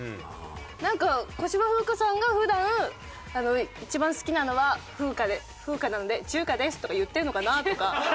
なんか小芝風花さんが普段「一番好きなのは“風花”なので中華です」とか言ってるのかなとか。